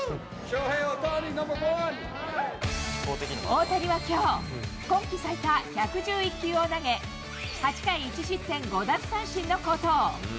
大谷はきょう、今季最多１１１球を投げ、８回１失点５奪三振の好投。